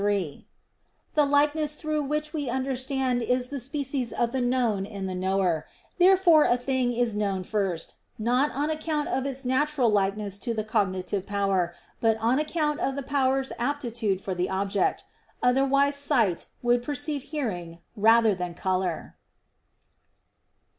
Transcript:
3: The likeness through which we understand is the species of the known in the knower; therefore a thing is known first, not on account of its natural likeness to the cognitive power, but on account of the power's aptitude for the object: otherwise sight would perceive hearing rather than color.